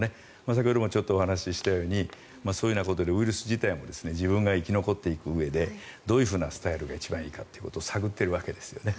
先ほどもお話ししたようにそういうことでウイルス自体も自分が生き残っていくうえでどういうふうなスタイルが一番いいかということを探っているわけですね。